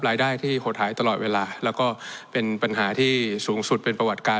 รายได้ที่หดหายตลอดเวลาแล้วก็เป็นปัญหาที่สูงสุดเป็นประวัติการ